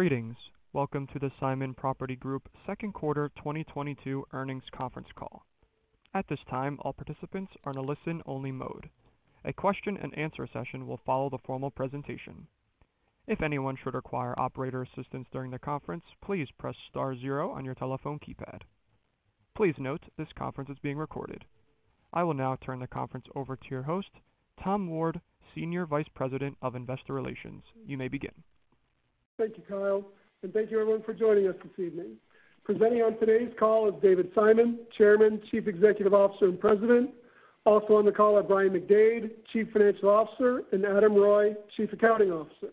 Greetings. Welcome to the Simon Property Group second quarter 2022 earnings conference call. At this time, all participants are in a listen-only mode. A question-and-answer session will follow the formal presentation. If anyone should require operator assistance during the conference, please press star zero on your telephone keypad. Please note, this conference is being recorded. I will now turn the conference over to your host, Tom Ward, Senior Vice President of Investor Relations. You may begin. Thank you, Kyle, and thank you everyone for joining us this evening. Presenting on today's call is David Simon, Chairman, Chief Executive Officer, and President. Also on the call are Brian McDade, Chief Financial Officer, and Adam Reuille, Chief Accounting Officer.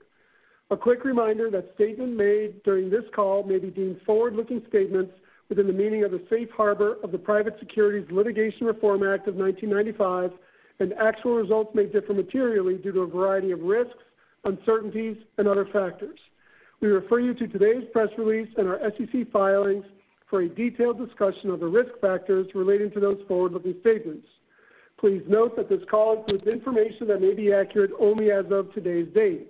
A quick reminder that statements made during this call may be deemed forward-looking statements within the meaning of the Safe Harbor of the Private Securities Litigation Reform Act of 1995, and actual results may differ materially due to a variety of risks, uncertainties, and other factors. We refer you to today's press release and our SEC filings for a detailed discussion of the risk factors relating to those forward-looking statements. Please note that this call includes information that may be accurate only as of today's date.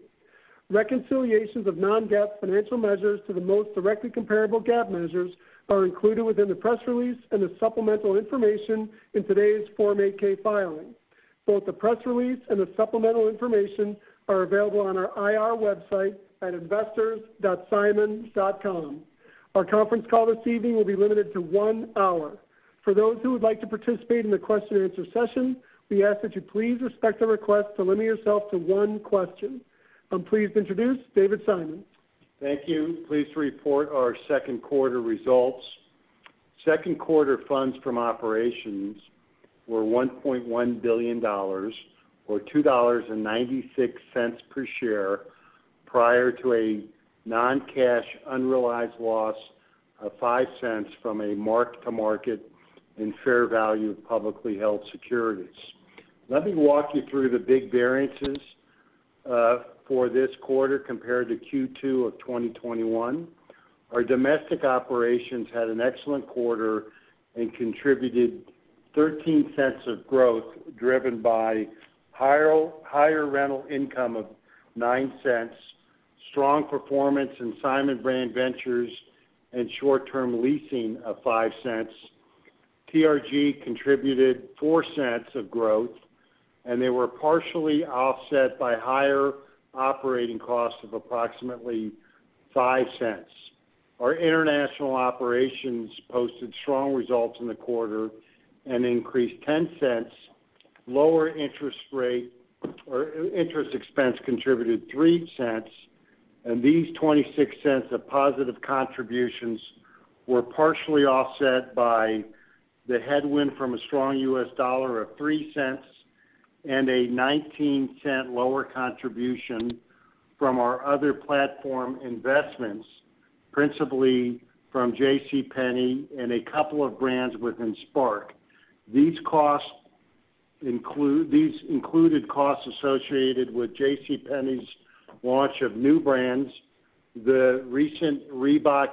Reconciliations of non-GAAP financial measures to the most directly comparable GAAP measures are included within the press release and the supplemental information in today's Form 8-K filing. Both the press release and the supplemental information are available on our IR website at investors.simon.com. Our conference call this evening will be limited to one hour. For those who would like to participate in the question-and-answer session, we ask that you please respect our request to limit yourself to one question. I'm pleased to introduce David Simon. Thank you. Pleased to report our second quarter results. Second quarter funds from operations were $1.1 billion or $2.96 per share prior to a non-cash unrealized loss of $0.05 from a mark-to-market and fair value of publicly held securities. Let me walk you through the big variances for this quarter compared to Q2 of 2021. Our domestic operations had an excellent quarter and contributed $0.13 of growth, driven by higher rental income of $0.09, strong performance in Simon Brand Ventures and short-term leasing of $0.05. TRG contributed $0.04 of growth, and they were partially offset by higher operating costs of approximately $0.05. Our international operations posted strong results in the quarter and increased $0.10. Lower interest rate or interest expense contributed $0.03, and these $0.26 of positive contributions were partially offset by the headwind from a strong US dollar of $0.03 and a $0.19 lower contribution from our other platform investments, principally from JCPenney and a couple of brands within SPARC. These included costs associated with JCPenney's launch of new brands, the recent Reebok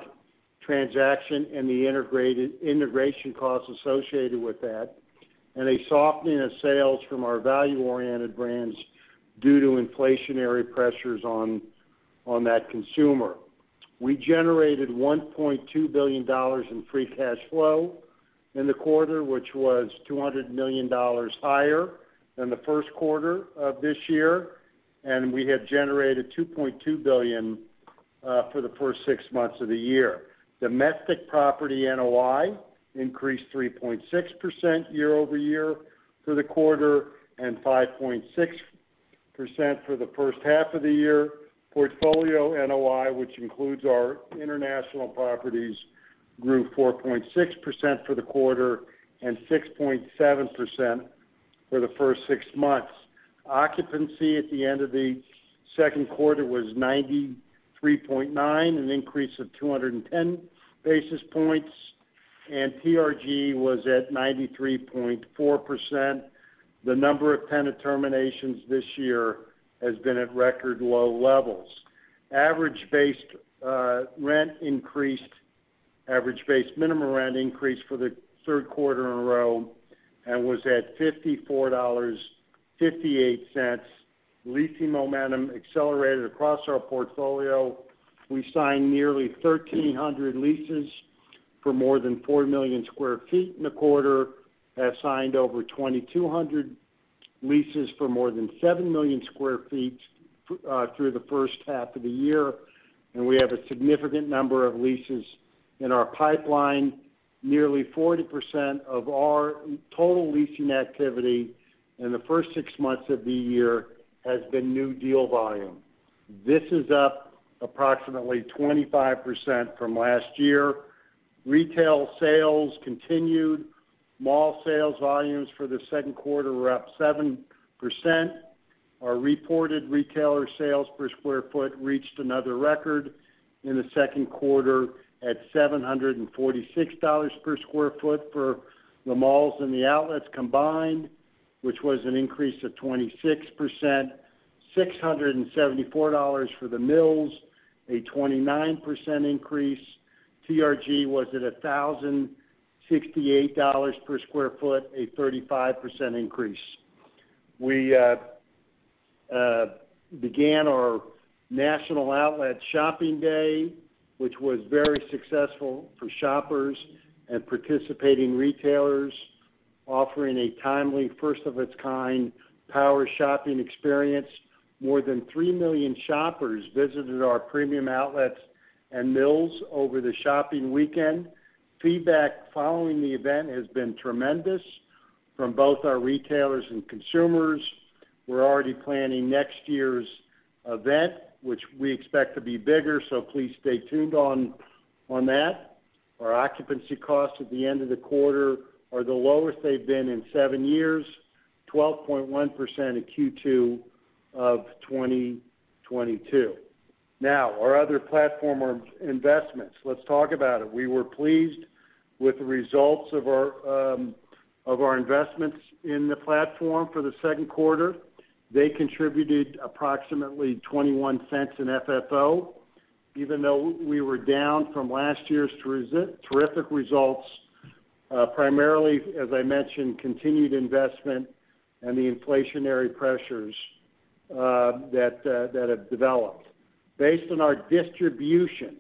transaction and the integration costs associated with that, and a softening of sales from our value-oriented brands due to inflationary pressures on that consumer. We generated $1.2 billion in free cash flow in the quarter, which was $200 million higher than the first quarter of this year, and we have generated $2.2 billion for the first six months of the year. Domestic property NOI increased 3.6% year-over-year for the quarter and 5.6% for the first half of the year. Portfolio NOI, which includes our international properties, grew 4.6% for the quarter and 6.7% for the first six months. Occupancy at the end of the second quarter was 93.9%, an increase of 210 basis points, and TRG was at 93.4%. The number of tenant terminations this year has been at record low levels. Average base minimum rent increased for the third quarter in a row and was at $54.58. Leasing momentum accelerated across our portfolio. We signed nearly 1,300 leases for more than 4 million sq ft in the quarter, have signed over 2,200 leases for more than 7 million sq ft through the first half of the year, and we have a significant number of leases in our pipeline. Nearly 40% of our total leasing activity in the first six months of the year has been new deal volume. This is up approximately 25% from last year. Retail sales continued. Mall sales volumes for the second quarter were up 7%. Our reported retailer sales per sq ft reached another record in the second quarter at $746 per sq ft for the malls and the outlets combined, which was an increase of 26%, $674 for the Mills, a 29% increase. TRG was at $1,068 per sq ft, a 35% increase. We began our National Outlet Shopping Day, which was very successful for shoppers and participating retailers, offering a timely, first of its kind power shopping experience. More than 3 million shoppers visited our Premium Outlets and The Mills over the shopping weekend. Feedback following the event has been tremendous from both our retailers and consumers. We're already planning next year's event, which we expect to be bigger, so please stay tuned on that. Our occupancy costs at the end of the quarter are the lowest they've been in seven years, 12.1% in Q2 of 2022. Now, our other platform or investments. Let's talk about it. We were pleased with the results of our investments in the platform for the second quarter. They contributed approximately $0.21 in FFO, even though we were down from last year's terrific results, primarily, as I mentioned, continued investment and the inflationary pressures that have developed. Based on our distributions,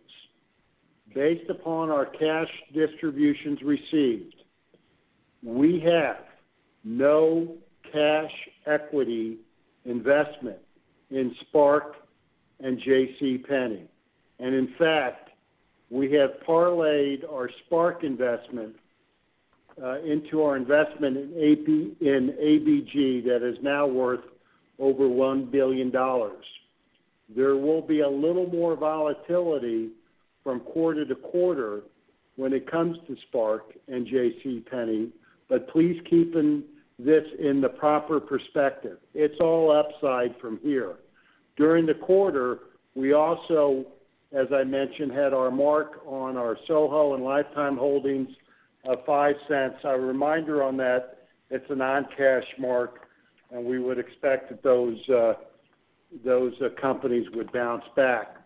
based upon our cash distributions received, we have no cash equity investment in SPARC and JCPenney. In fact, we have parlayed our SPARC investment into our investment in ABG that is now worth over $1 billion. There will be a little more volatility from quarter to quarter when it comes to SPARC and JCPenney, but please keep this in the proper perspective. It's all upside from here. During the quarter, we also, as I mentioned, had our mark on our SoFi and Life Time holdings of $0.05. A reminder on that, it's a non-cash mark, and we would expect that those companies would bounce back.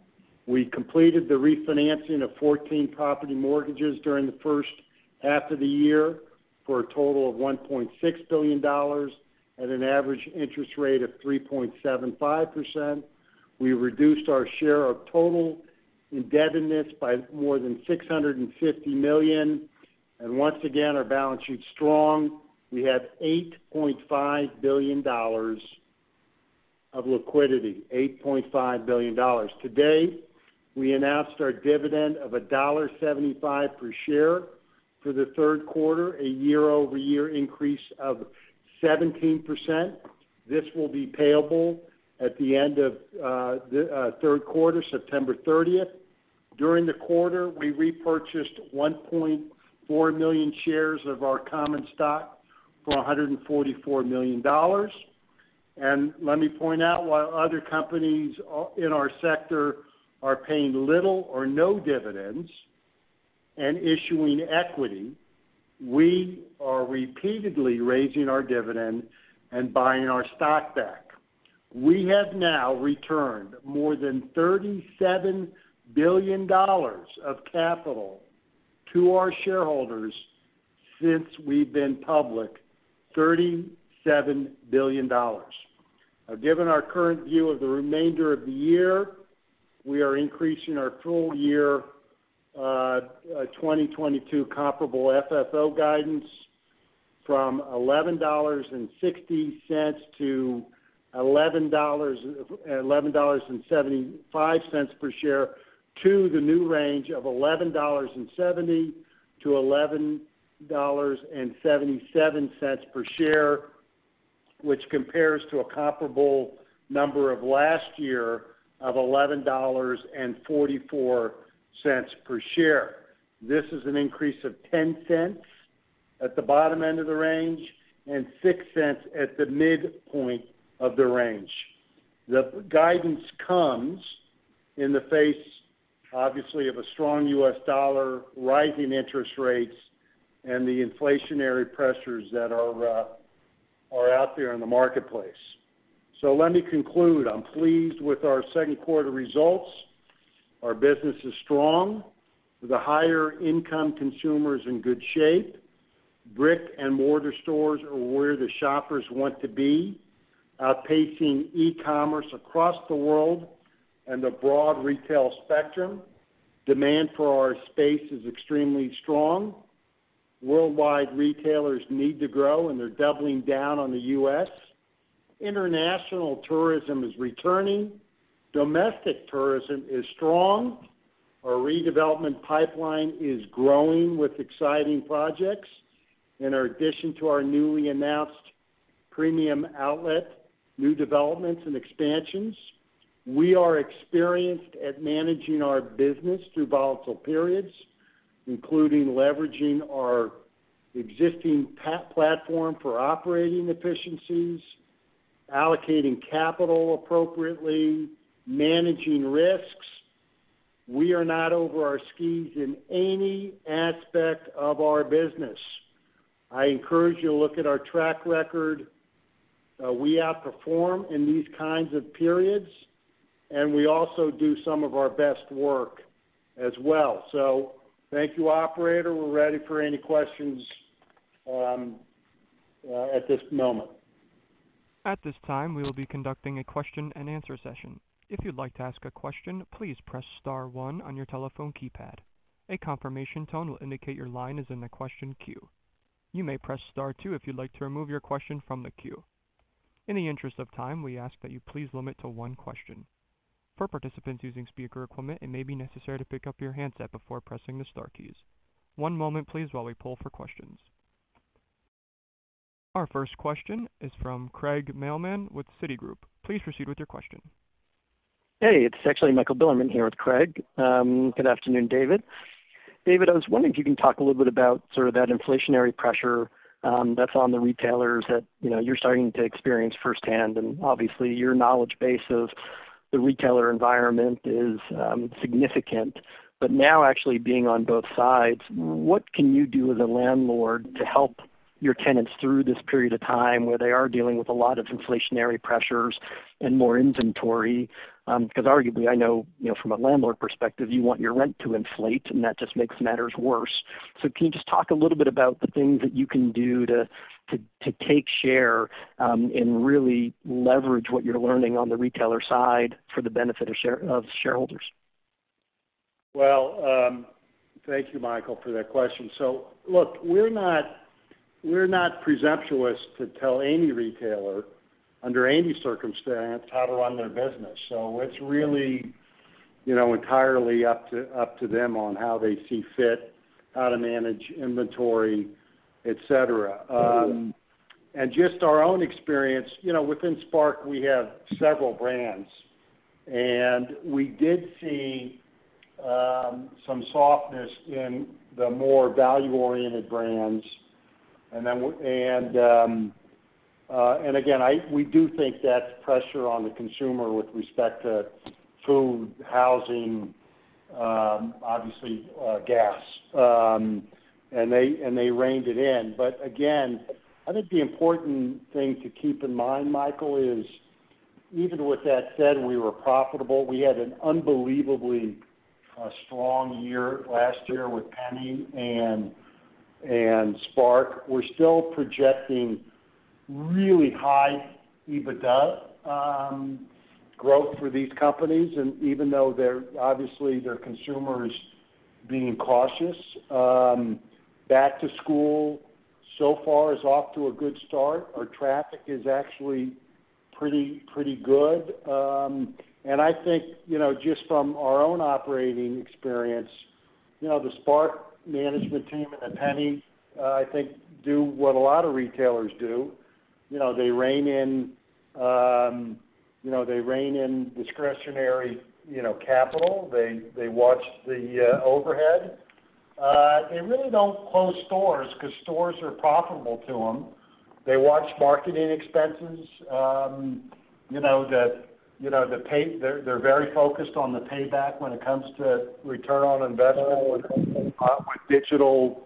We completed the refinancing of 14 property mortgages during the first half of the year for a total of $1.6 billion at an average interest rate of 3.75%. We reduced our share of total indebtedness by more than $650 million. Once again, our balance sheet's strong. We have $8.5 billion of liquidity. $8.5 billion. Today, we announced our dividend of $1.75 per share for the third quarter, a year-over-year increase of 17%. This will be payable at the end of the third quarter, September 30. During the quarter, we repurchased 1.4 million shares of our common stock for $144 million. Let me point out, while other companies in our sector are paying little or no dividends and issuing equity, we are repeatedly raising our dividend and buying our stock back. We have now returned more than $37 billion of capital to our shareholders since we've been public. $37 billion. Now given our current view of the remainder of the year, we are increasing our full-year 2022 comparable FFO guidance from $11.60-$11.75 per share to the new range of $11.70-$11.77 per share, which compares to a comparable number of last year of $11.44 per share. This is an increase of $0.10 at the bottom end of the range and $0.06 at the midpoint of the range. The guidance comes in the face, obviously, of a strong U.S. dollar, rising interest rates, and the inflationary pressures that are out there in the marketplace. Let me conclude. I'm pleased with our second quarter results. Our business is strong. The higher income consumer is in good shape. Brick-and-mortar stores are where the shoppers want to be, outpacing e-commerce across the world and the broad retail spectrum. Demand for our space is extremely strong. Worldwide retailers need to grow, and they're doubling down on the U.S. International tourism is returning. Domestic tourism is strong. Our redevelopment pipeline is growing with exciting projects. In addition to our newly announced Premium Outlet, new developments and expansions, we are experienced at managing our business through volatile periods, including leveraging our existing platform for operating efficiencies, allocating capital appropriately, managing risks. We are not over our skis in any aspect of our business. I encourage you to look at our track record. We outperform in these kinds of periods. We also do some of our best work as well. Thank you, operator. We're ready for any questions at this moment. At this time, we will be conducting a question-and-answer session. If you'd like to ask a question, please press star one on your telephone keypad. A confirmation tone will indicate your line is in the question queue. You may press star two if you'd like to remove your question from the queue. In the interest of time, we ask that you please limit to one question. For participants using speaker equipment, it may be necessary to pick up your handset before pressing the star keys. One moment please while we poll for questions. Our first question is from Craig Mailman with Citigroup. Please proceed with your question. Hey, it's actually Michael Bilerman here with Craig. Good afternoon, David. David, I was wondering if you can talk a little bit about sort of that inflationary pressure that's on the retailers that, you know, you're starting to experience firsthand, and obviously your knowledge base of the retailer environment is significant. But now actually being on both sides, what can you do as a landlord to help your tenants through this period of time where they are dealing with a lot of inflationary pressures and more inventory? Because arguably, I know, you know, from a landlord perspective, you want your rent to inflate, and that just makes matters worse. Can you just talk a little bit about the things that you can do to take share and really leverage what you're learning on the retailer side for the benefit of shareholders? Well, thank you, Michael, for that question. Look, we're not presumptuous to tell any retailer under any circumstance how to run their business. It's really, you know, entirely up to them on how they see fit, how to manage inventory, et cetera. Just our own experience, you know, within SPARC, we have several brands. We did see some softness in the more value-oriented brands. We do think that's pressure on the consumer with respect to food, housing, obviously, gas, and they reined it in. Again, I think the important thing to keep in mind, Michael, is even with that said, we were profitable. We had an unbelievably strong year last year with JCPenney and SPARC. We're still projecting really high EBITDA growth for these companies. Even though they're obviously, their consumers being cautious, back to school so far is off to a good start. Our traffic is actually pretty good. I think, you know, just from our own operating experience, you know, the SPARC management team and the JCPenney, I think do what a lot of retailers do. You know, they rein in discretionary capital. They watch the overhead. They really don't close stores 'cause stores are profitable to them. They watch marketing expenses, you know, they're very focused on the payback when it comes to return on investment with digital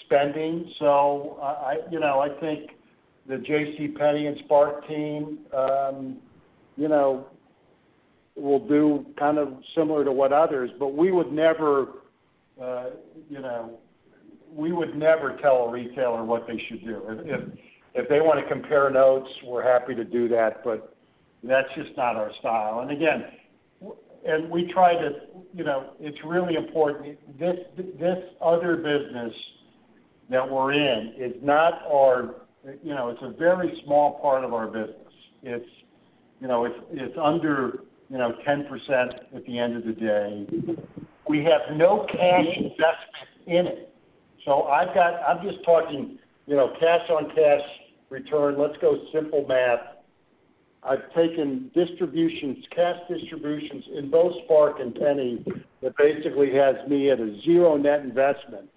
spending. I think the JCPenney and SPARC team will do kind of similar to what others. We would never tell a retailer what they should do. If they wanna compare notes, we're happy to do that, but that's just not our style. We try to. You know, it's really important. This other business that we're in is not our, you know, it's a very small part of our business. It's under, you know, 10% at the end of the day. We have no cash invested in it. I'm just talking, you know, cash-on-cash return. Let's go simple math. I've taken distributions, cash distributions in both SPARC and JCPenney that basically has me at a zero net investment.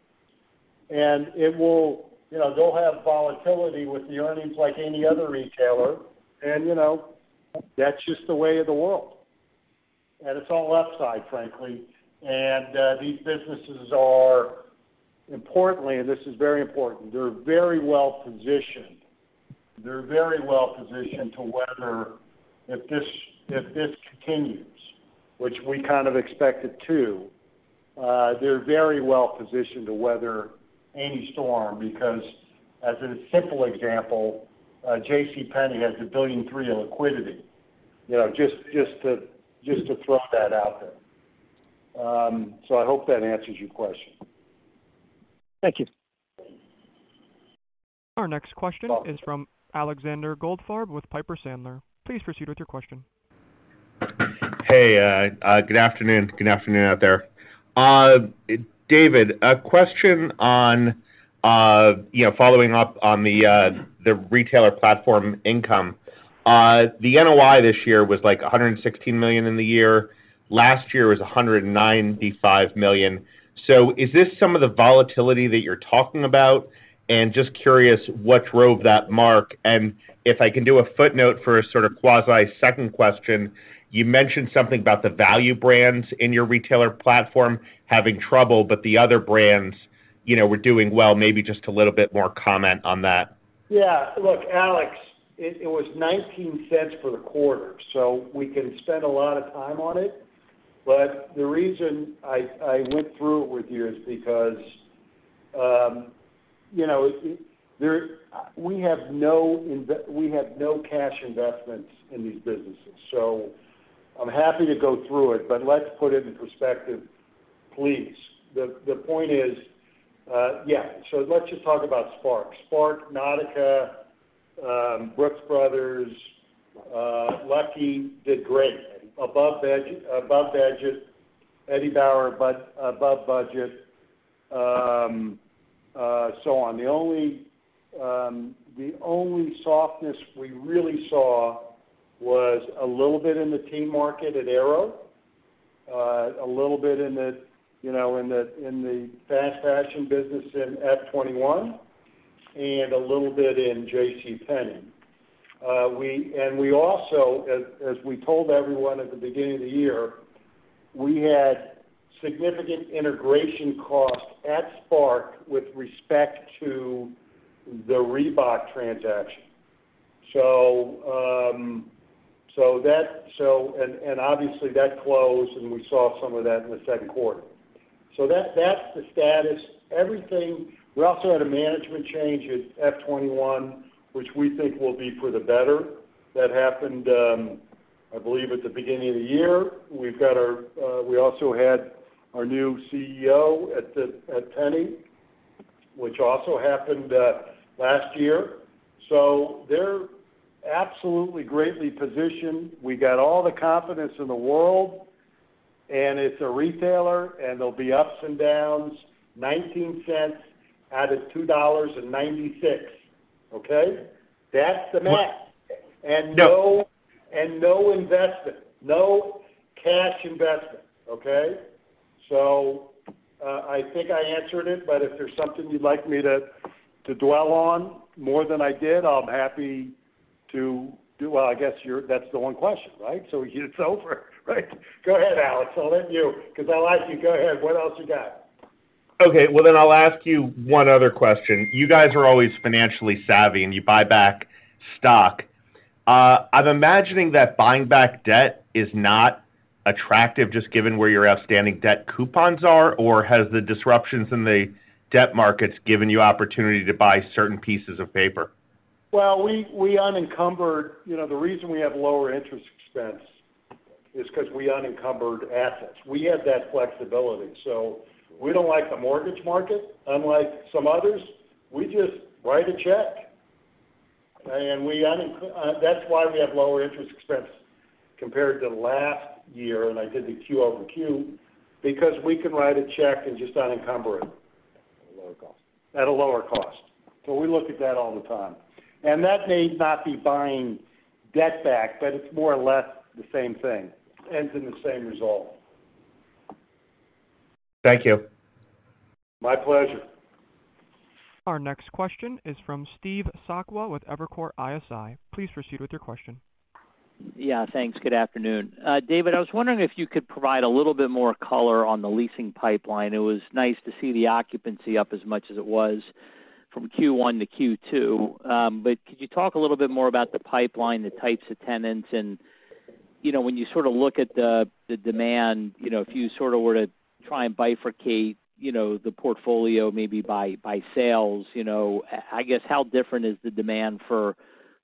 It will. You know, they'll have volatility with the earnings like any other retailer. You know, that's just the way of the world. It's all left side, frankly. These businesses are importantly, and this is very important, they're very well-positioned. They're very well-positioned to weather if this continues, which we kind of expect it to. They're very well-positioned to weather any storm because, as a simple example, JCPenney has $1.3 billion in liquidity. You know, just to throw that out there. So I hope that answers your question. Thank you. Our next question is from Alexander Goldfarb with Piper Sandler. Please proceed with your question. Hey, good afternoon. Good afternoon out there. David, a question on, you know, following up on the retailer platform income. The NOI this year was, like, $116 million in the year. Last year was $195 million. So is this some of the volatility that you're talking about? Just curious what drove that move. If I can do a footnote for a sort of quasi-second question, you mentioned something about the value brands in your retailer platform having trouble, but the other brands, you know, were doing well. Maybe just a little bit more comment on that. Yeah. Look, Alex, it was $0.19 for the quarter, so we can spend a lot of time on it. The reason I went through it with you is because, you know, we have no cash investments in these businesses, so I'm happy to go through it, but let's put it in perspective, please. The point is, yeah, let's just talk about SPARC. SPARC, Nautica, Brooks Brothers, Lucky did great. Above budget. Eddie Bauer, above budget. So on. The only softness we really saw was a little bit in the teen market at Aéropostale, a little bit in the fast fashion business in Forever 21, and a little bit in JCPenney. We also, as we told everyone at the beginning of the year, we had significant integration costs at SPARC with respect to the Reebok transaction. Obviously that closed, and we saw some of that in the second quarter. That's the status. We also had a management change at Forever 21, which we think will be for the better. That happened, I believe, at the beginning of the year. We also had our new CEO at JCPenney, which also happened last year. They're absolutely greatly positioned. We got all the confidence in the world, and it's a retailer, and there'll be ups and downs, $0.19 out of $2.96, okay? That's the net. What? No. No investment, no cash investment, okay? I think I answered it, but if there's something you'd like me to dwell on more than I did, I'm happy to do. Well, I guess you're, that's the one question, right? It's over, right? Go ahead, Alex. I'll let you because I like you. Go ahead. What else you got? Okay. Well, I'll ask you one other question. You guys are always financially savvy, and you buy back stock. I'm imagining that buying back debt is not attractive, just given where your outstanding debt coupons are. Has the disruptions in the debt markets given you opportunity to buy certain pieces of paper? You know, the reason we have lower interest expense is 'cause we unencumbered assets. We had that flexibility. We don't like the mortgage market, unlike some others. We just write a check. That's why we have lower interest expense compared to last year, and I did the Q over Q, because we can write a check and just unencumber it. At a lower cost. At a lower cost. We look at that all the time. That may not be buying debt back, but it's more or less the same thing. Ends in the same result. Thank you. My pleasure. Our next question is from Steve Sakwa with Evercore ISI. Please proceed with your question. Yeah. Thanks. Good afternoon, David. I was wondering if you could provide a little bit more color on the leasing pipeline. It was nice to see the occupancy up as much as it was from Q1 to Q2. But could you talk a little bit more about the pipeline, the types of tenants and, you know, when you sort of look at the demand, you know, if you sort of were to try and bifurcate the portfolio maybe by sales, you know, I guess how different is the demand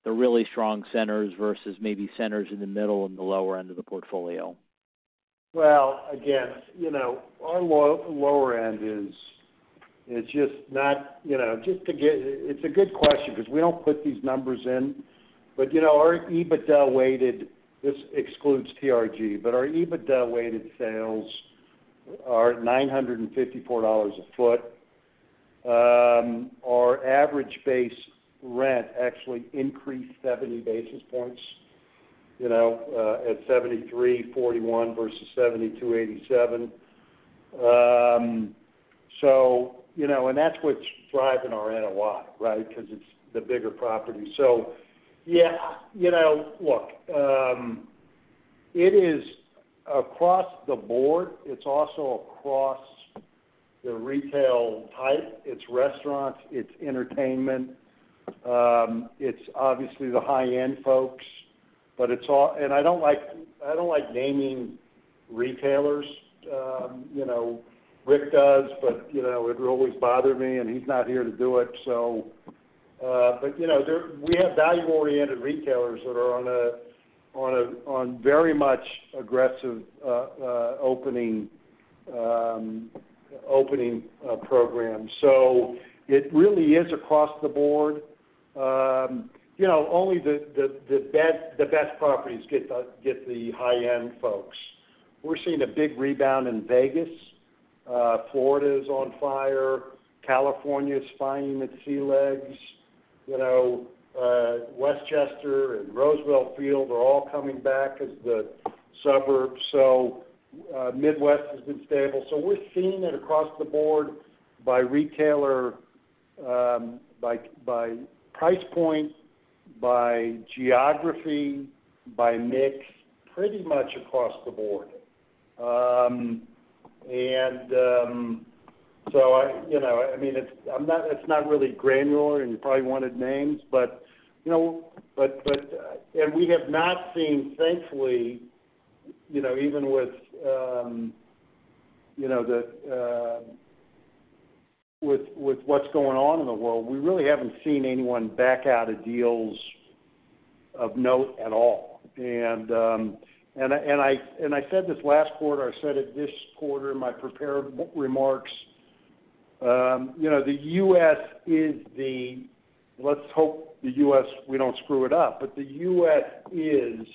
for the really strong centers versus maybe centers in the middle and the lower end of the portfolio? Well, again, you know, our lower end is just not. It's a good question, 'cause we don't put these numbers in. Our EBITDA weighted, this excludes TRG. Our EBITDA weighted sales are $954 a sq ft. Our average base rent actually increased 70 basis points, you know, at $73.41 versus $72.87. That's what's driving our NOI, right? Because it's the bigger property. Yeah, you know, look, it is across the board. It's also across the retail type. It's restaurants, it's entertainment, it's obviously the high-end folks, but it's all. I don't like naming retailers. You know, Rick does, but, you know, it would really bother me, and he's not here to do it, so. You know, there we have value-oriented retailers that are on a very much aggressive opening program. It really is across the board. You know, only the best properties get the high-end folks. We're seeing a big rebound in Vegas. Florida is on fire. California is finding its sea legs. You know, Westchester and Roosevelt Field are all coming back as the suburbs. Midwest has been stable. We're seeing it across the board by retailer, by price point, by geography, by mix, pretty much across the board. You know, I mean, it's not really granular, and you probably wanted names, but you know, but. We have not seen, thankfully, you know, even with, you know, the, with what's going on in the world, we really haven't seen anyone back out of deals of note at all. I said this last quarter, I said it this quarter in my prepared remarks, you know, the U.S. is. Let's hope the U.S., we don't screw it up, but the U.S. is,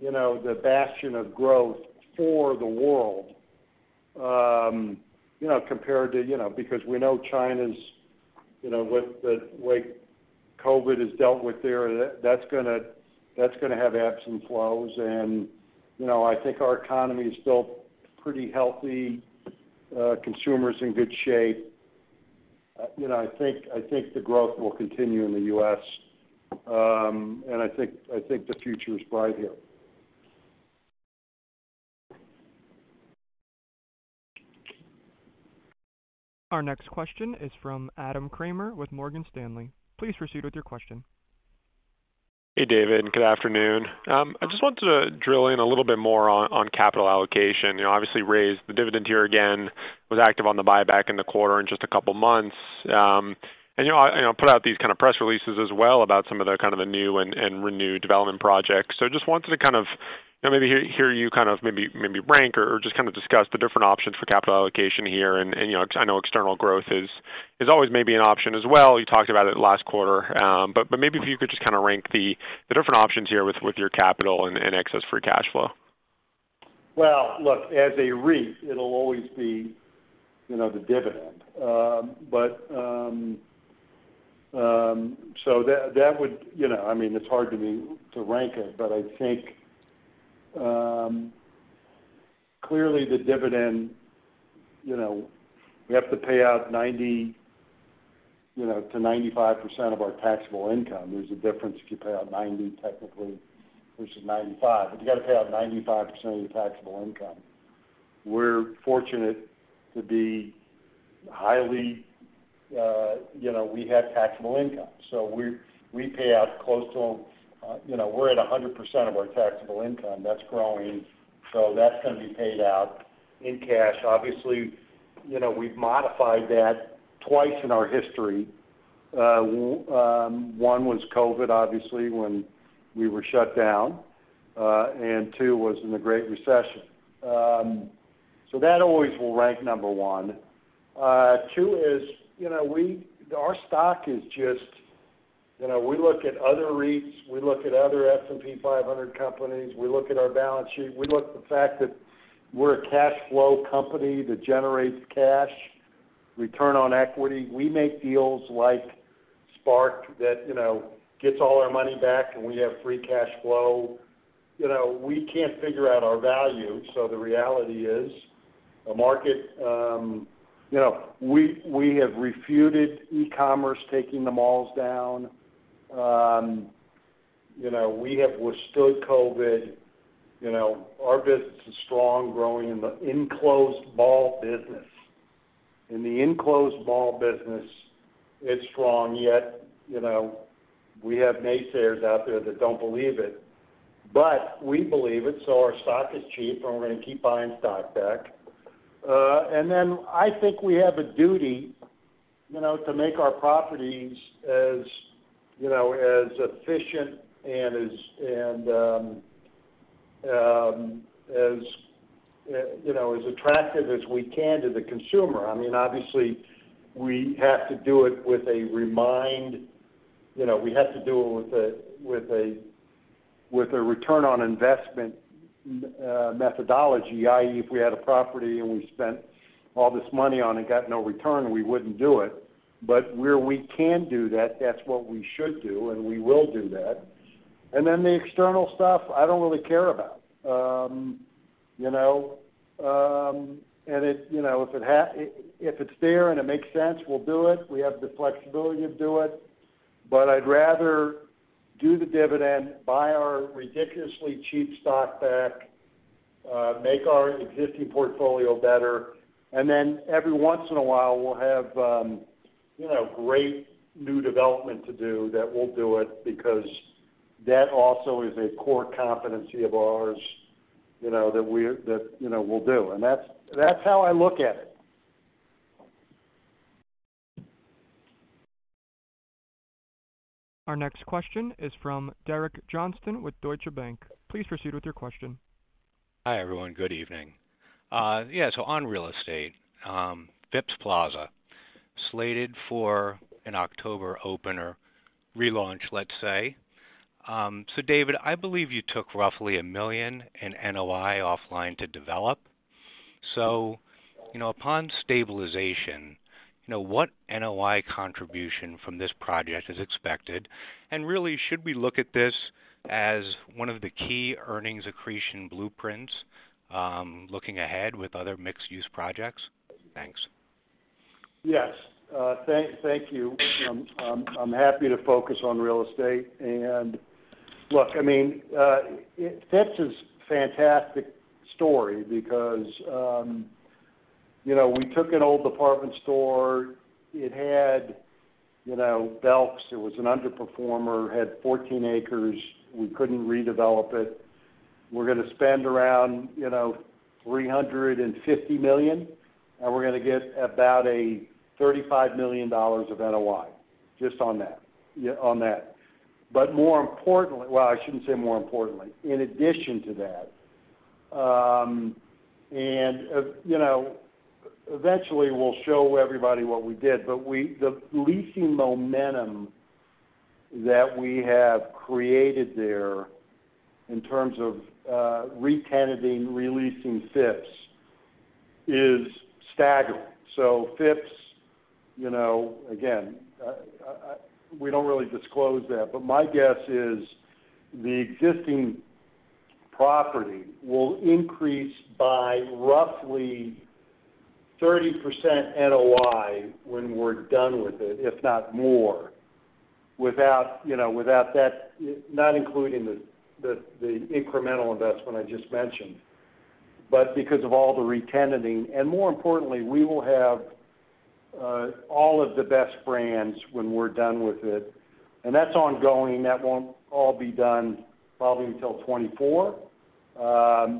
you know, the bastion of growth for the world, you know, compared to, you know, because we know China's, you know, with the way COVID is dealt with there, that's gonna have ebbs and flows. You know, I think our economy is still pretty healthy, consumer's in good shape. You know, I think the growth will continue in the U.S., and I think the future is bright here. Our next question is from Adam Kramer with Morgan Stanley. Please proceed with your question. Hey, David, good afternoon. I just wanted to drill in a little bit more on capital allocation. You know, obviously raised the dividend here again, was active on the buyback in the quarter in just a couple months. You know, put out these kind of press releases as well about some of the kind of the new and renewed development projects. Just wanted to kind of, you know, maybe hear you kind of maybe rank or just kind of discuss the different options for capital allocation here. You know, I know external growth is always maybe an option as well. You talked about it last quarter. Maybe if you could just kind of rank the different options here with your capital and excess free cash flow. Well, look, as a REIT, it'll always be, you know, the dividend. You know, I mean, it's hard to rank it, but I think, clearly the dividend, you know, we have to pay out 90, you know, to 95% of our taxable income. There's a difference if you pay out 90 technically versus 95, but you got to pay out 95% of your taxable income. We're fortunate to be highly, we have taxable income, so we pay out close to, we're at 100% of our taxable income. That's growing, so that's gonna be paid out in cash. Obviously, we've modified that twice in our history. One was COVID, obviously, when we were shut down, and two was in the Great Recession. That always will rank number 1. 2 is, you know, our stock is just. You know, we look at other REITs, we look at other S&P 500 companies, we look at our balance sheet. We look at the fact that we're a cash flow company that generates cash, return on equity. We make deals like SPARC that, you know, gets all our money back, and we have free cash flow. You know, we can't figure out our value, so the reality is the market. You know, we have refuted e-commerce taking the malls down. You know, we have withstood COVID. You know, our business is strong, growing in the enclosed mall business. In the enclosed mall business, it's strong, yet, you know, we have naysayers out there that don't believe it. We believe it, so our stock is cheap, and we're gonna keep buying stock back. I think we have a duty, you know, to make our properties as efficient and as attractive as we can to the consumer. I mean, obviously, we have to do it with a ROI, you know, methodology, i.e., if we had a property and we spent all this money on it and got no return, we wouldn't do it. Where we can do that's what we should do, and we will do that. I don't really care about the external stuff. You know, if it's there and it makes sense, we'll do it. We have the flexibility to do it. I'd rather do the dividend, buy our ridiculously cheap stock back, make our existing portfolio better. Then every once in a while, we'll have, you know, great new development to do that we'll do it because that also is a core competency of ours, you know, that, you know, we'll do. That's how I look at it. Our next question is from Derek Johnston with Deutsche Bank. Please proceed with your question. Hi, everyone. Good evening. On real estate, Phipps Plaza slated for an October opening relaunch, let's say. David, I believe you took roughly $1 million in NOI offline to develop. You know, upon stabilization, you know, what NOI contribution from this project is expected? Really, should we look at this as one of the key earnings accretion blueprints, looking ahead with other mixed-use projects? Thanks. Yes. Thank you. I'm happy to focus on real estate. Look, I mean, Phipps is a fantastic story because, you know, we took an old department store. It had, you know, Belk. It was an underperformer, had 14 acres. We couldn't redevelop it. We're gonna spend around, you know, $350 million, and we're gonna get about $35 million of NOI just on that, yeah, on that. But more importantly. Well, I shouldn't say more importantly, in addition to that, and, you know, eventually we'll show everybody what we did. But the leasing momentum that we have created there in terms of, retenanting, releasing Phipps is staggering. Phipps, you know, again, we don't really disclose that, but my guess is the existing property will increase by roughly 30% NOI when we're done with it, if not more, without, you know, without that. Not including the incremental investment I just mentioned, but because of all the retenanting. More importantly, we will have all of the best brands when we're done with it, and that's ongoing. That won't all be done probably until 2024,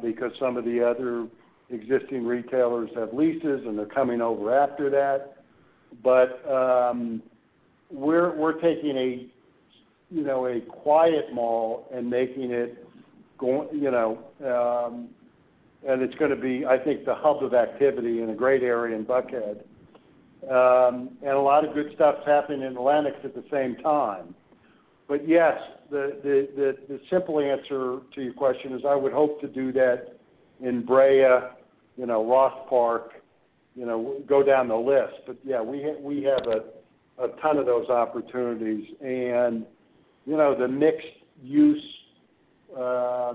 because some of the other existing retailers have leases, and they're coming over after that. We're taking a, you know, a quiet mall and making it going, you know. It's gonna be, I think, the hub of activity in a great area in Buckhead. A lot of good stuff's happening in Atlanta at the same time. Yes, the simple answer to your question is I would hope to do that in Brea, you know, Ross Park, you know, go down the list. Yeah, we have a ton of those opportunities and, you know, the mixed use, you know,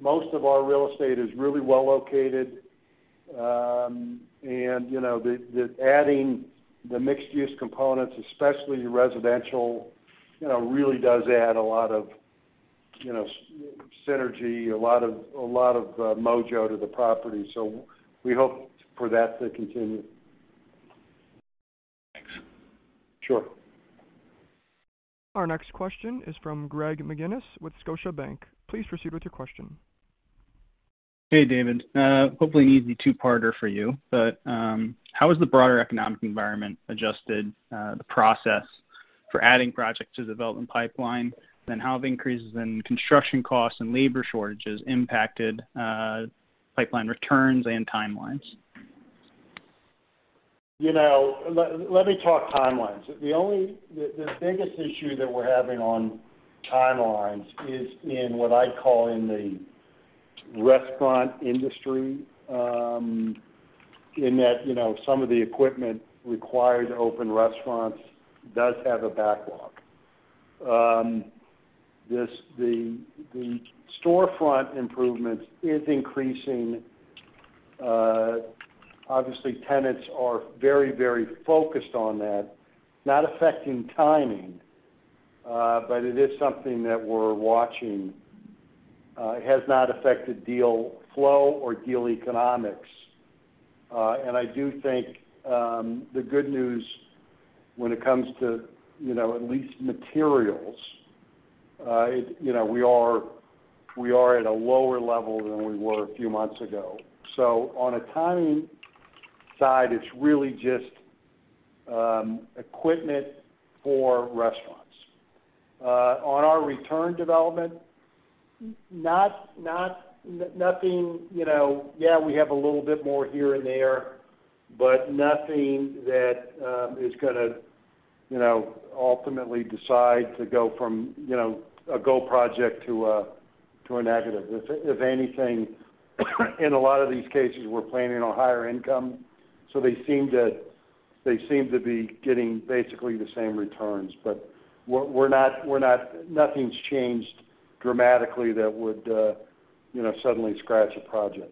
most of our real estate is really well located. You know, the adding the mixed use components, especially residential, you know, really does add a lot of synergy, a lot of mojo to the property. We hope for that to continue. Thanks. Sure. Our next question is from Greg McGinniss with Scotiabank. Please proceed with your question. Hey, David. Hopefully an easy two-parter for you, but how has the broader economic environment adjusted the process for adding projects to the development pipeline? How have increases in construction costs and labor shortages impacted pipeline returns and timelines? You know, let me talk timelines. The only the biggest issue that we're having on timelines is in what I call in the restaurant industry, in that, you know, some of the equipment required to open restaurants does have a backlog. This the storefront improvements is increasing. Obviously, tenants are very focused on that, not affecting timing, but it is something that we're watching. It has not affected deal flow or deal economics. And I do think the good news when it comes to, you know, at least materials, you know, we are at a lower level than we were a few months ago. On a timing side, it's really just equipment for restaurants. On our redevelopment, nothing, you know. Yeah, we have a little bit more here and there, but nothing that is gonna, you know, ultimately decide to go from, you know, a go project to a negative. If anything, in a lot of these cases, we're planning on higher income, so they seem to be getting basically the same returns. We're not. Nothing's changed dramatically that would, you know, suddenly scratch a project.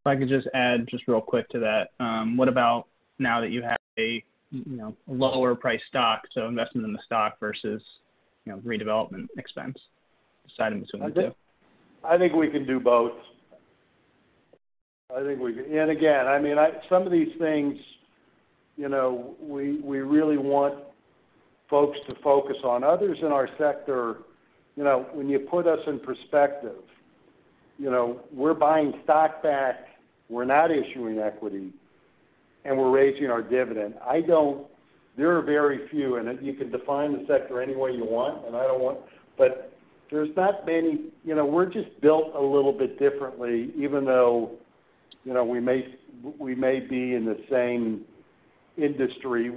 If I could just add real quick to that, what about now that you have a, you know, lower priced stock, so investing in the stock versus, you know, redevelopment expense side of things, too? I think we can do both. I think we can. Again, I mean, some of these things, you know, we really want folks to focus on. Others in our sector, you know, when you put us in perspective, you know, we're buying stock back. We're not issuing equity, and we're raising our dividend. I don't. There are very few, and you can define the sector any way you want, and I don't want, but there's not many. You know, we're just built a little bit differently, even though, you know, we may be in the same industry,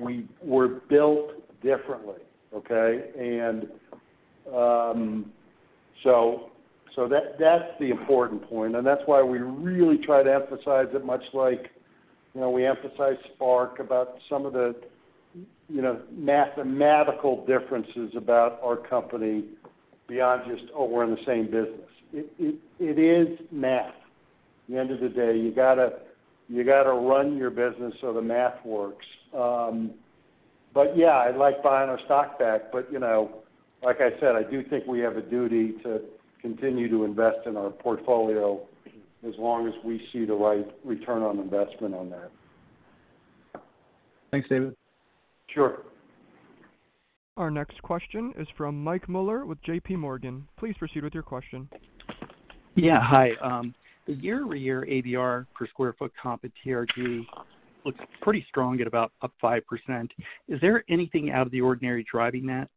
we're built differently, okay? That's the important point, and that's why we really try to emphasize it much like, you know, we emphasize SPARC about some of the, you know, mathematical differences about our company beyond just, oh, we're in the same business. It is math. At the end of the day, you gotta run your business so the math works. Yeah, I like buying our stock back, but, you know, like I said, I do think we have a duty to continue to invest in our portfolio as long as we see the right return on investment on that. Thanks, David. Sure. Our next question is from Michael Mueller with J.P. Morgan. Please proceed with your question. Yeah. Hi. The year-over-year ABR per sq ft comp at TRG looks pretty strong at about up 5%. Is there anything out of the ordinary driving that?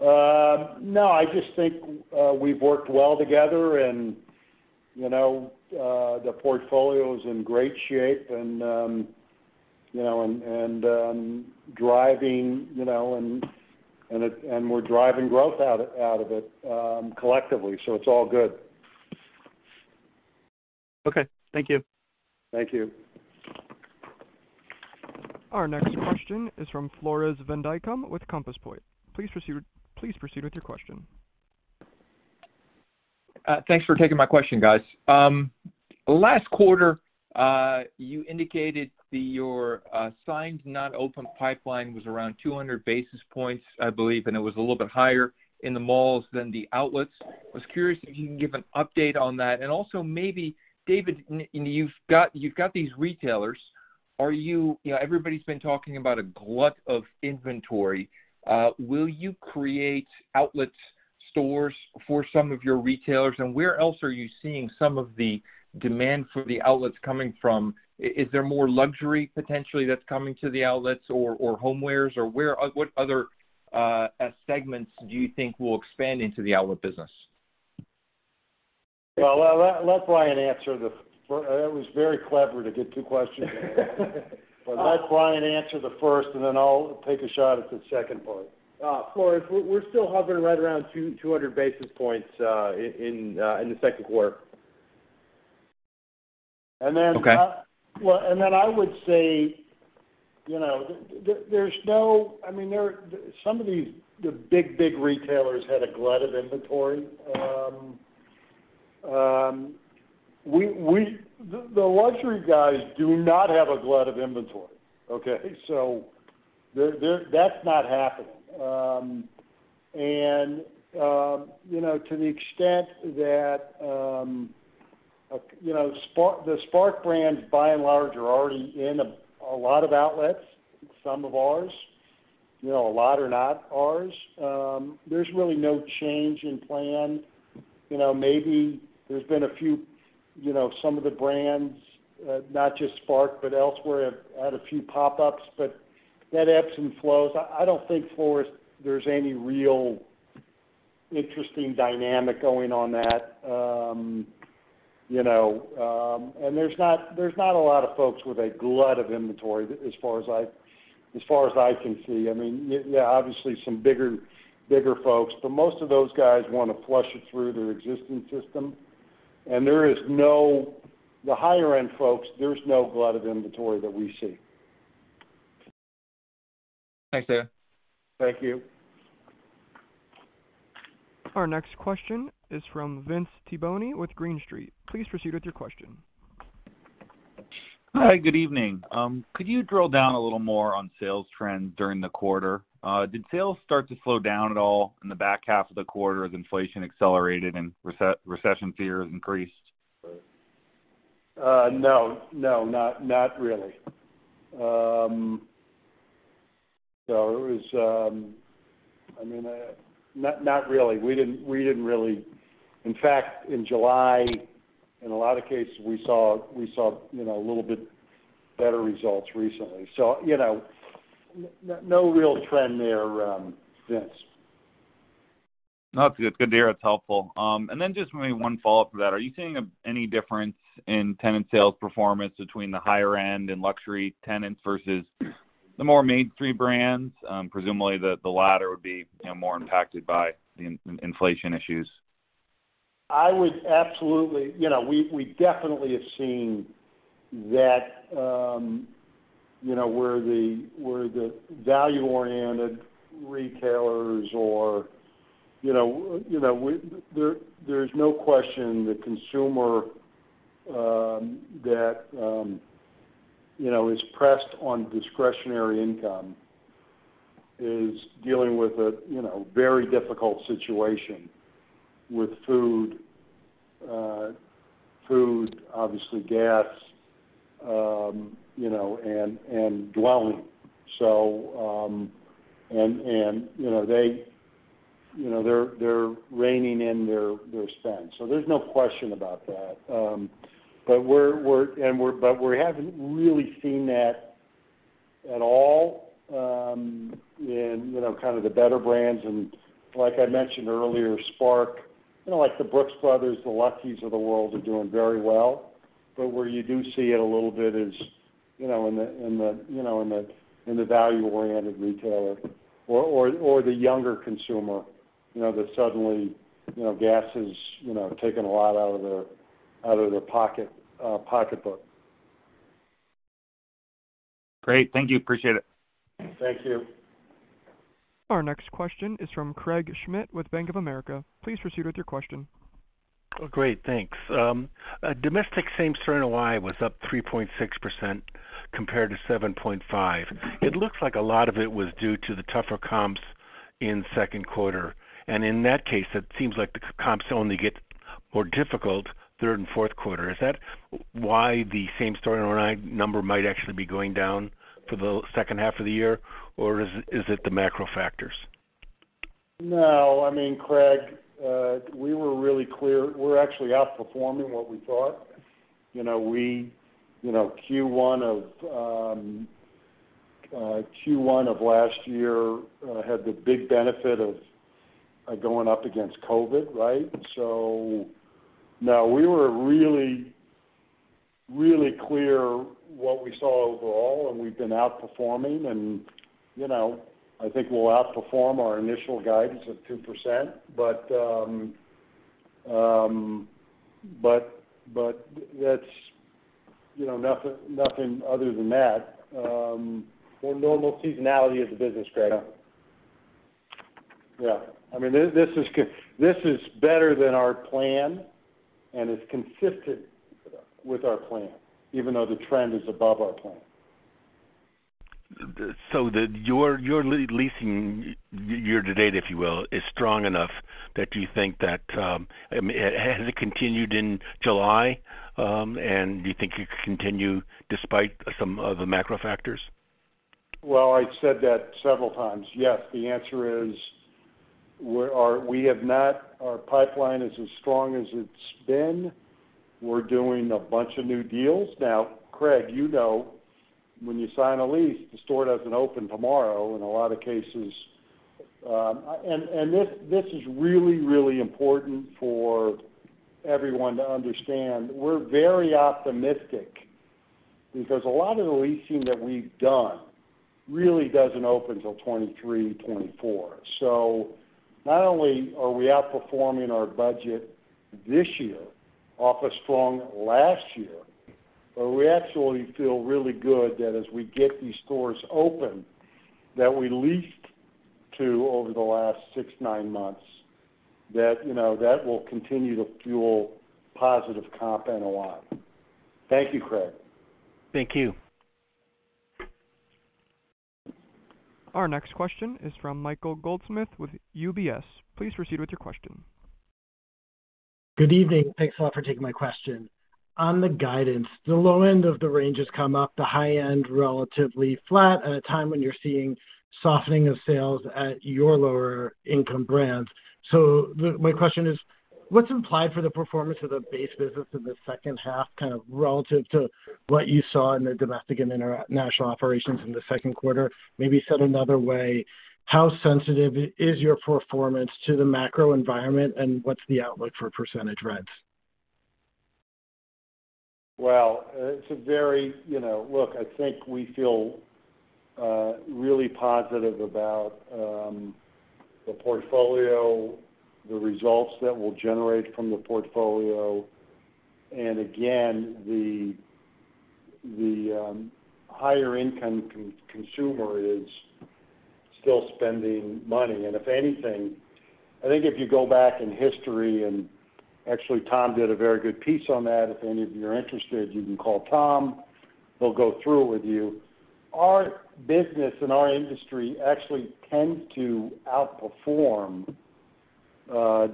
No. I just think we've worked well together and, you know, the portfolio is in great shape and, you know, and we're driving growth out of it collectively, so it's all good. Okay. Thank you. Thank you. Our next question is from Floris van Dijkum with Compass Point. Please proceed with your question. Thanks for taking my question, guys. Last quarter, you indicated your signed not open pipeline was around 200 basis points, I believe, and it was a little bit higher in the malls than the outlets. I was curious if you can give an update on that. Also maybe, David, you know, you've got these retailers, are you. You know, everybody's been talking about a glut of inventory. Will you create outlet stores for some of your retailers, and where else are you seeing some of the demand for the outlets coming from? Is there more luxury potentially that's coming to the outlets or home wares or what other segments do you think will expand into the outlet business? Well, I'll let Brian answer the first, that was very clever to get two questions in. Let Brian answer the first, and then I'll take a shot at the second part. Floris, we're still hovering right around 200 basis points in the second quarter. Okay. I would say, you know, I mean, some of these, the big retailers had a glut of inventory. The luxury guys do not have a glut of inventory. Okay? So they're, that's not happening. You know, to the extent that, you know, SPARC -- the SPARC brands by and large are already in a lot of outlets, some of ours. You know, a lot are not ours. There's really no change in plan. You know, maybe there's been a few, you know, some of the brands, not just SPARC, but elsewhere have had a few pop-ups, but that ebbs and flows. I don't think, Floris, there's any real interesting dynamic going on that, you know, and there's not a lot of folks with a glut of inventory as far as I can see. I mean, yeah, obviously some bigger folks, but most of those guys wanna flush it through their existing system. The higher end folks, there's no glut of inventory that we see. Thanks, David. Thank you. Our next question is from Vince Tibone with Green Street. Please proceed with your question. Hi, good evening. Could you drill down a little more on sales trends during the quarter? Did sales start to slow down at all in the back half of the quarter as inflation accelerated and recession fears increased? No. Not really. I mean, not really. We didn't really. In fact, in July, in a lot of cases we saw you know, a little bit better results recently. You know, no real trend there, Vince. No, it's good to hear. It's helpful. Just maybe one follow-up to that. Are you seeing any difference in tenant sales performance between the higher end and luxury tenants versus the more mainstream brands? Presumably the latter would be, you know, more impacted by the inflation issues. I would absolutely. You know, we definitely have seen that where the value-oriented retailers. There's no question the consumer that is pressed on discretionary income is dealing with a very difficult situation with food, obviously gas, and dwelling. They're reining in their spend. There's no question about that. But we haven't really seen that at all in kind of the better brands. Like I mentioned earlier, SPARC, like the Brooks Brothers, the Lucky's of the world are doing very well. Where you do see it a little bit is, you know, in the value-oriented retailer or the younger consumer, you know, that suddenly, you know, gas is, you know, taking a lot out of their pocketbook. Great. Thank you. Appreciate it. Thank you. Our next question is from Craig Schmidt with Bank of America. Please proceed with your question. Oh, great, thanks. Domestic same-store NOI was up 3.6% compared to 7.5%. It looks like a lot of it was due to the tougher comps in second quarter. In that case, it seems like the comps only get more difficult third and fourth quarter. Is that why the same-store NOI number might actually be going down for the second half of the year, or is it the macro factors? No. I mean, Craig, we were really clear. We're actually outperforming what we thought. You know, Q1 of last year had the big benefit of going up against COVID, right? So no, we were really, really clear what we saw overall, and we've been outperforming and, you know, I think we'll outperform our initial guidance of 2%. That's, you know, nothing other than that. Well, normal seasonality is a business, Craig. Yeah. I mean, this is better than our plan, and it's consistent with our plan, even though the trend is above our plan. Your leasing year-to-date, if you will, is strong enough that you think that. Has it continued in July, and do you think it could continue despite some of the macro factors? Well, I said that several times. Yes. The answer is our pipeline is as strong as it's been. We're doing a bunch of new deals. Now, Craig, you know, when you sign a lease, the store doesn't open tomorrow in a lot of cases. This is really important for everyone to understand. We're very optimistic because a lot of the leasing that we've done really doesn't open till 2023, 2024. Not only are we outperforming our budget this year off a strong last year, but we actually feel really good that as we get these stores open that we leased to over the last 6, 9 months, that, you know, that will continue to fuel positive comp NOI. Thank you, Craig. Thank you. Our next question is from Michael Goldsmith with UBS. Please proceed with your question. Good evening. Thanks a lot for taking my question. On the guidance, the low end of the range has come up, the high end relatively flat at a time when you're seeing softening of sales at your lower income brands. My question is, what's implied for the performance of the base business in the second half, kind of relative to what you saw in the domestic and international operations in the second quarter? Maybe said another way, how sensitive is your performance to the macro environment, and what's the outlook for percentage rents? You know, look, I think we feel really positive about the portfolio, the results that we'll generate from the portfolio. Again, the higher income consumer is still spending money. If anything, I think if you go back in history, and actually Tom did a very good piece on that. If any of you are interested, you can call Tom. He'll go through it with you. Our business and our industry actually tend to outperform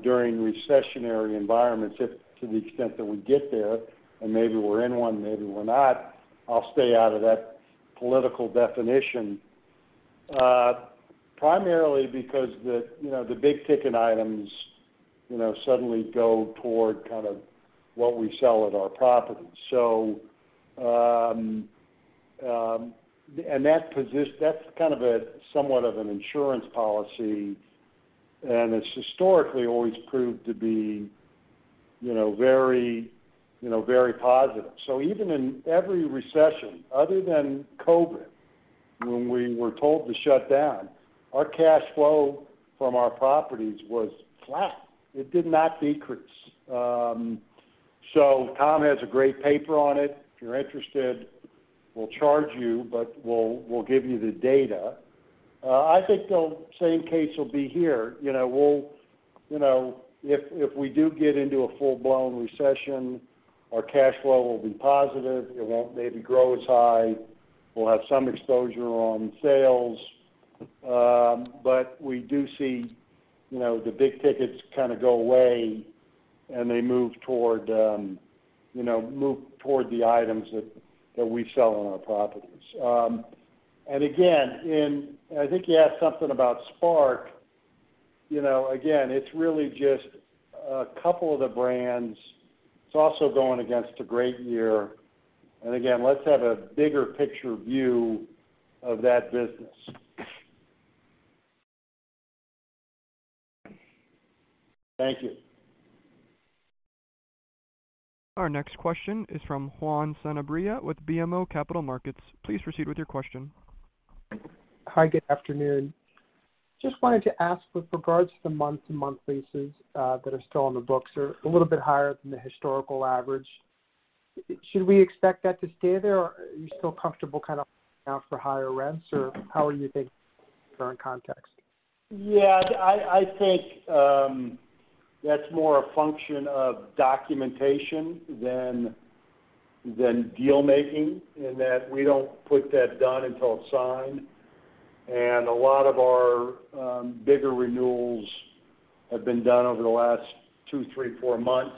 during recessionary environments to the extent that we get there, and maybe we're in one, maybe we're not. I'll stay out of that political definition. Primarily because, you know, the big-ticket items, you know, suddenly go toward kind of what we sell at our properties. That's kind of a somewhat of an insurance policy, and it's historically always proved to be, you know, very, you know, very positive. Even in every recession, other than COVID, when we were told to shut down, our cash flow from our properties was flat. It did not decrease. Tom has a great paper on it. If you're interested, we'll charge you, but we'll give you the data. I think the same case will be here. You know, we'll. You know, if we do get into a full-blown recession, our cash flow will be positive. It won't maybe grow as high. We'll have some exposure on sales. We do see, you know, the big tickets kinda go away, and they move toward, you know, move toward the items that we sell on our properties. Again, I think he asked something about SPARC. You know, again, it's really just a couple of the brands. It's also going against a great year. Again, let's have a bigger picture view of that business. Thank you. Our next question is from Juan Sanabria with BMO Capital Markets. Please proceed with your question. Hi, good afternoon. Just wanted to ask with regards to the month-to-month leases that are still on the books are a little bit higher than the historical average. Should we expect that to stay there or are you still comfortable kind of now for higher rents or how are you thinking current context? Yeah, I think that's more a function of documentation than deal-making in that we don't put that down until it's signed. A lot of our bigger renewals have been done over the last two, three, four months,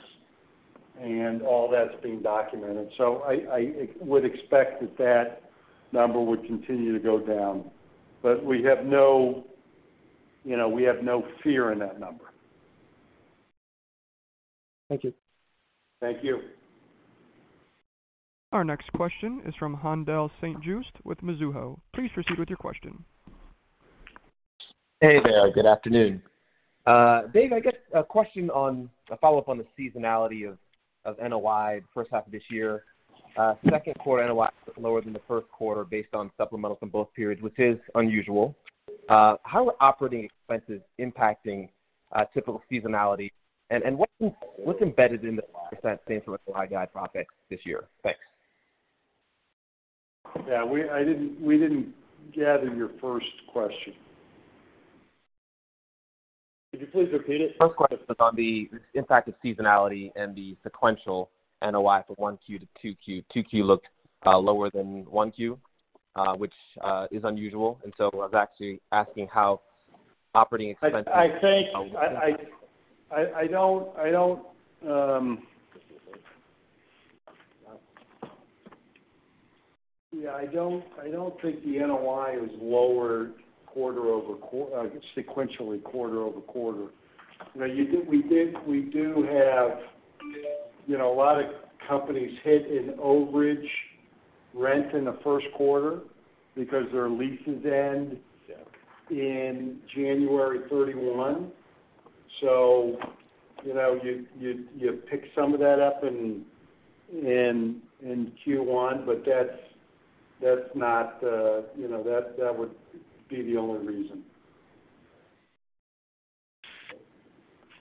and all that's being documented. I would expect that number would continue to go down. We have no, you know, fear in that number. Thank you. Thank you. Our next question is from Haendel St. Juste with Mizuho. Please proceed with your question. Hey there. Good afternoon. Dave, I guess a question on a follow-up on the seasonality of NOI first half of this year. Second quarter NOI lower than the first quarter based on supplementals in both periods, which is unusual. How are operating expenses impacting typical seasonality? What's embedded in the 5% same-store NOI guidance for this year? Thanks. Yeah, we didn't gather your first question. Could you please repeat it? First question was on the impact of seasonality and the sequential NOI for 1Q to 2Q. 2Q looked lower than 1Q, which is unusual. I was actually asking how operating expenses. I don't think the NOI is lower sequentially quarter-over-quarter. Now, we do have, you know, a lot of companies hit an overage rent in the first quarter because their leases end in January 31. You know, you pick some of that up in Q1, but that's not, you know, that would be the only reason.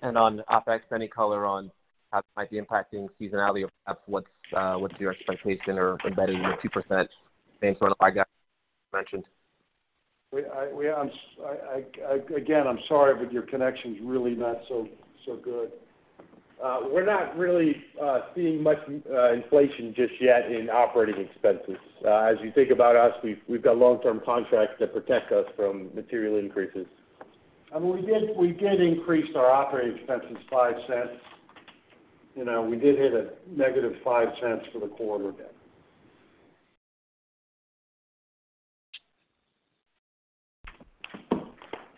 On OpEx, any color on how this might be impacting seasonality or perhaps what's your expectation or embedded in the 2% same-store NOI got mentioned? Again, I'm sorry, but your connection is really not so good. We're not really seeing much inflation just yet in operating expenses. As you think about us, we've got long-term contracts that protect us from material increases. I mean, we did increase our operating expenses $0.05. You know, we did hit a -$0.05 for the quarter.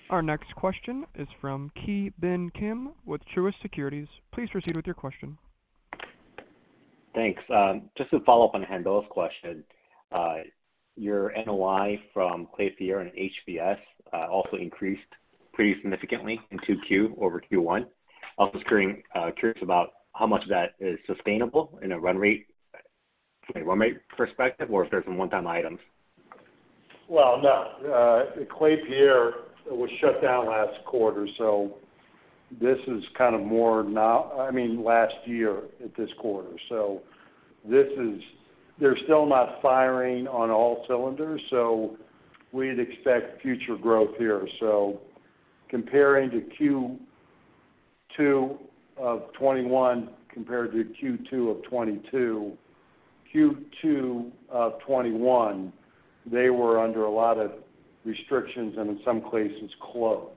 Our next question is from Ki Bin Kim with Truist Securities. Please proceed with your question. Thanks. Just to follow up on Haendel's question, your NOI from Klépierre and HBS also increased pretty significantly in 2Q over Q1. Also curious about how much of that is sustainable in a run rate, from a run rate perspective, or if there's some one-time items. Well, no, Klépierre was shut down last quarter, so this is kind of more now—I mean, last year at this quarter. They're still not firing on all cylinders, so we'd expect future growth here. Comparing to Q2 of 2021 compared to Q2 of 2022, they were under a lot of restrictions and in some cases closed.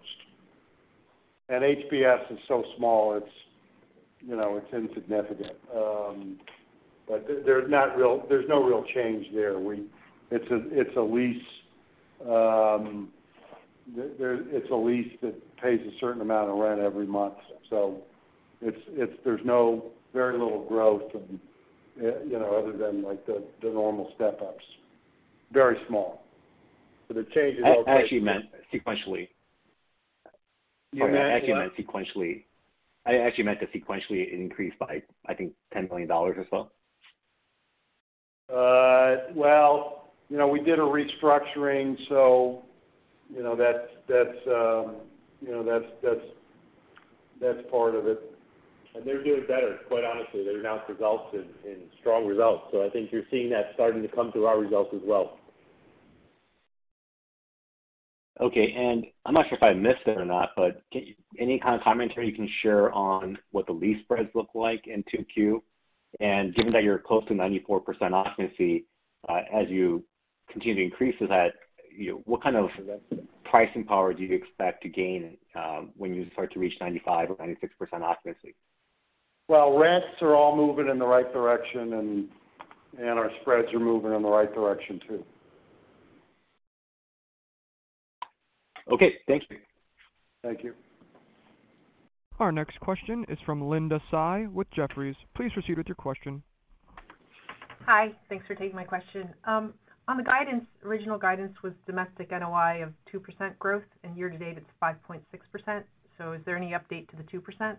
HBS is so small, it's, you know, it's insignificant. But there's no real change there. It's a lease that pays a certain amount of rent every month. It's, there's no very little growth and, you know, other than like the normal step ups, very small. The change is all- I actually meant sequentially. You meant, yeah. I actually meant sequentially. I actually meant that sequentially it increased by, I think, $10 million or so. Well, you know, we did a restructuring, so, you know, that's part of it. They're doing better, quite honestly. They've announced results in strong results. I think you're seeing that starting to come through our results as well. Okay. I'm not sure if I missed it or not, but any kind of commentary you can share on what the lease spreads look like in 2Q? Given that you're close to 94% occupancy, as you continue to increase to that, you know, what kind of pricing power do you expect to gain, when you start to reach 95% or 96% occupancy? Well, rents are all moving in the right direction, and our spreads are moving in the right direction too. Okay. Thanks. Thank you. Our next question is from Linda Tsai with Jefferies. Please proceed with your question. Hi. Thanks for taking my question. On the guidance, original guidance was domestic NOI of 2% growth, and year to date it's 5.6%. Is there any update to the 2%?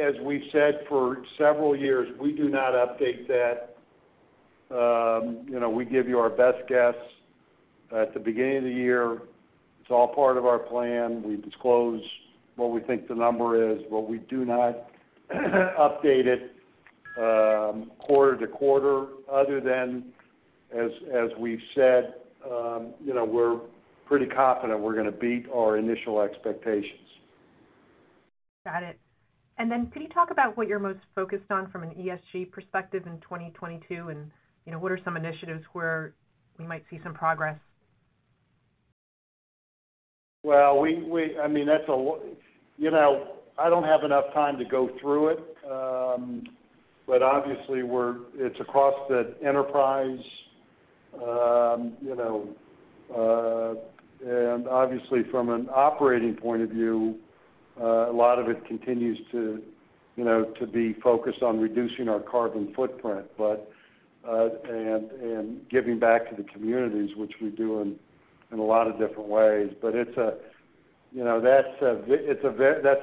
As we've said for several years, we do not update that. You know, we give you our best guess at the beginning of the year. It's all part of our plan. We disclose what we think the number is, but we do not update it, quarter to quarter other than, as we've said, you know, we're pretty confident we're gonna beat our initial expectations. Got it. Could you talk about what you're most focused on from an ESG perspective in 2022 and, you know, what are some initiatives where we might see some progress? Well, I mean, that's a lot. You know, I don't have enough time to go through it. Obviously, it's across the enterprise. You know, and obviously, from an operating point of view, a lot of it continues to, you know, to be focused on reducing our carbon footprint, but, and giving back to the communities, which we do in a lot of different ways. It's a, you know, that's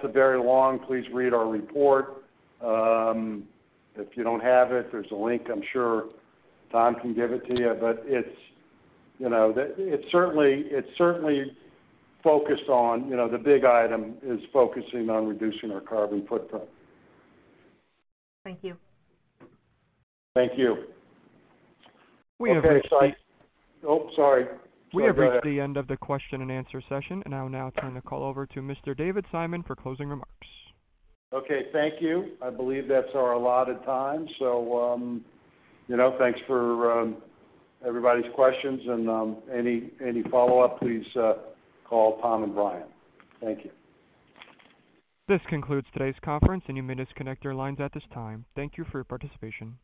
a very long. Please read our report. If you don't have it, there's a link. I'm sure Tom can give it to you. It's, you know, it certainly focused on, you know, the big item is focusing on reducing our carbon footprint. Thank you. Thank you. We have reached the Okay. Oh, sorry. Go ahead. We have reached the end of the question-and-answer session. I'll now turn the call over to Mr. David Simon for closing remarks. Okay, thank you. I believe that's our allotted time. You know, thanks for everybody's questions. Any follow-up, please call Tom and Brian. Thank you. This concludes today's conference, and you may disconnect your lines at this time. Thank you for your participation.